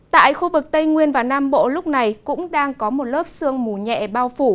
tại khu vực tây nguyên và nam bộ lúc này cũng đang có một lớp sương mù nhẹ bao phủ